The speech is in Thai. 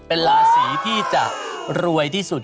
เป็นราศีที่จะรวยที่สุด